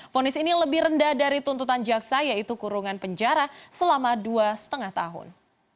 fonis ini lebih rendah dari tuntutan jaksa yaitu kurungan penjara selama dua lima tahun